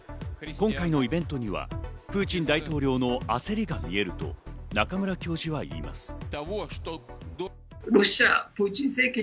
今回のイベントにはプーチン大統領の焦りが見えると中村教授はいいます。